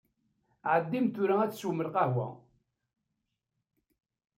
Ɛeddim-d tura ad teswem lqawa.